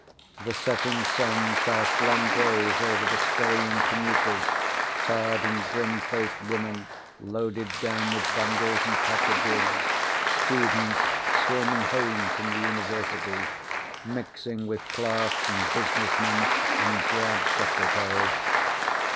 The setting sun cast long rays over the scurrying commuters, tired and grim faced, women loaded down with bundles and packages, students swarming home from the university, mixing with clerks and businessmen and drab secretaries.